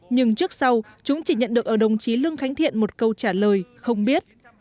nhưng trước sau chúng chỉ nhận được ở đồng chí lương khánh thiện một câu trả lời không biết